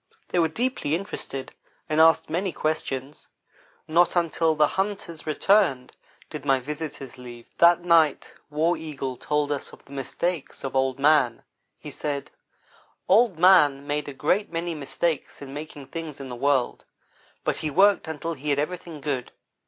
They were deeply interested, and asked many questions. Not until the hunters returned did my visitors leave. That night War Eagle told us of the mistakes of Old man. He said: "Old man made a great many mistakes in making things in the world, but he worked until he had everything good.